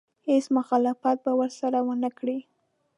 هېڅ مخالفت به ورسره ونه کړي.